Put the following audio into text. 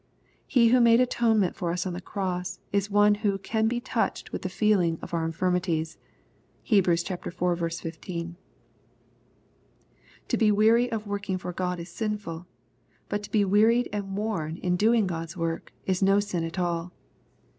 He who made atonement for us on the cross is one M\o "can be touched with the feeling of our infirmities." \(Heb. iv. 15.) To be weary of working for God is sinful, but to be wearied and worn in doing God's work is no sin at all.